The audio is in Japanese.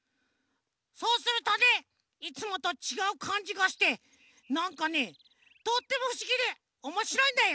そうするとねいつもとちがうかんじがしてなんかねとってもふしぎでおもしろいんだよ！